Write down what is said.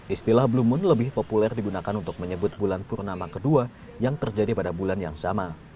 istilah blue moon lebih populer digunakan untuk menyebut bulan purnama kedua yang terjadi pada bulan yang sama